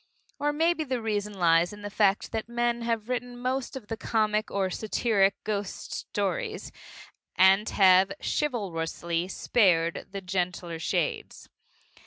Or maybe the reason lies in the fact that men have written most of the comic or satiric ghost stories, and have chivalrously spared the gentler shades.